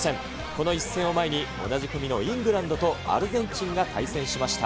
この一戦を前に、同じ組のイングランドとアルゼンチンが対戦しました。